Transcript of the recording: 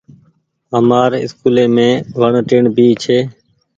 همآر اسڪولي مين وڻ ٽيئڻ ڀي ڇي۔